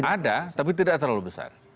ada tapi tidak terlalu besar